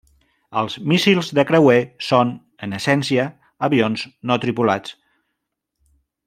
Els míssils de creuer són, en essència, avions no tripulats.